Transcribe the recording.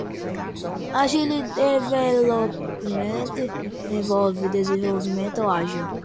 Agile Development envolve desenvolvimento ágil.